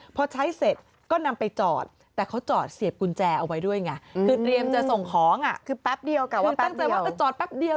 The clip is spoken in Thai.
พอใช้เสร็จก็นำไปจอดแต่เขาจอดเสียบกุญแจเอาไว้ด้วยไงคือเตรียมจะส่งของคือปั๊บเดียวก่อนว่าปั๊บเดียว